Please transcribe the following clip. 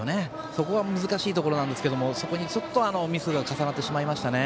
そこが難しいところですがそこにミスが重なってしまいましたね。